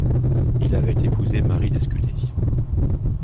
Il avait épousé Marie Descudé.